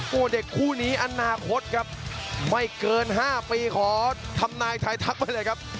โอ้โหเด็กคู่นี้อนาคตครับไม่เกิน๕ปีขอทำนายทายทักไว้เลยครับ